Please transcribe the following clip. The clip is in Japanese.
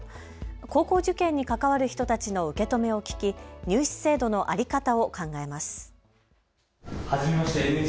高校受験に関わる人たちの受け止めを聞き入試制度の在り方を考えます。